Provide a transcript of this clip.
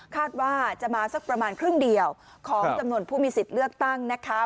คาดว่าจะมาสักประมาณครึ่งเดียวของจำนวนผู้มีสิทธิ์เลือกตั้งนะคะ